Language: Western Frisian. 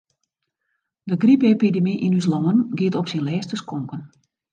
De grypepidemy yn ús lân giet op syn lêste skonken.